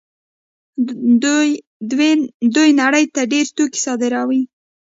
دوی نړۍ ته ډېر توکي صادروي.